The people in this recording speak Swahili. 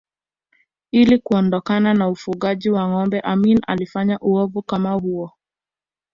Ili kuondokana na ufugaji wa ngombe Amin alifanya uovu kama huo